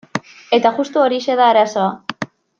Eta justu horixe da arazoa.